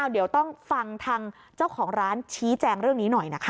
เดี๋ยวต้องฟังทางเจ้าของร้านชี้แจงเรื่องนี้หน่อยนะคะ